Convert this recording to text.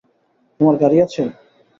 তোমার গাড়ি আছে?